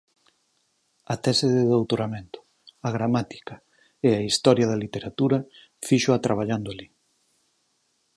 A tese de doutoramento, a gramática e a historia da literatura fíxoa traballando alí.